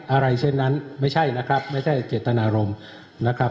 อะไรเช่นนั้นไม่ใช่นะครับไม่ใช่เจตนารมณ์นะครับ